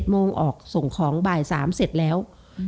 โมงออกส่งของบ่าย๓เสร็จแล้ว